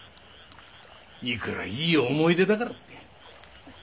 いくらいい思い出だからって。